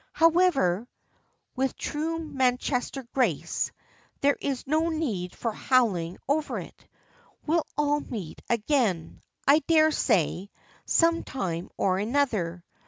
"However," with true Manchester grace, "there's no need for howling over it. We'll all meet again, I dare say, some time or other.